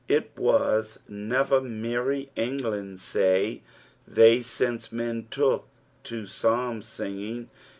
It was never merry England, say they, since men took to Psalm sioging.